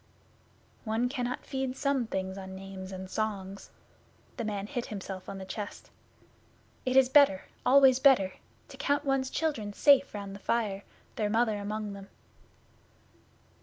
'One cannot feed some things on names and songs.' The man hit himself on the chest. 'It is better always better to count one's children safe round the fire, their Mother among them.